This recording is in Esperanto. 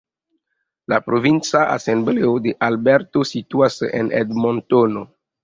La provinca asembleo de Alberto situas en Edmontono.